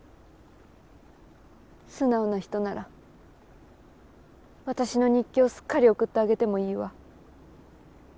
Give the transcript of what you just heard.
素直な人なら私の日記をすっかり送ってあげてもいいわ。